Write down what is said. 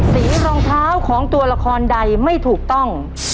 สีรองเท้าของตัวละครใดไม่ถูกต้อง